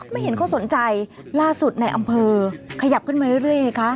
ไม่เห็นเขาสนใจล่าสุดในอำเภอขยับขึ้นมาเรื่อยไงคะ